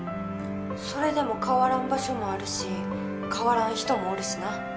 それでも変わらん場所もあるし変わらん人もおるしな。